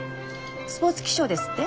スポーツ気象ですって？